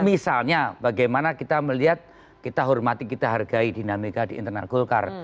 misalnya bagaimana kita melihat kita hormati kita hargai dinamika di internal golkar